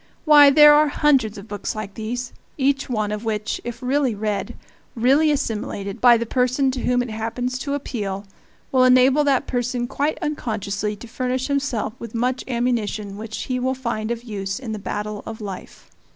Why, there are hundreds of books like these, each one of which, if really read, really assimilated, by the person to whom it happens to appeal, will enable that person quite unconsciously to furnish himself with much ammunition which he will find of use in the battle of life.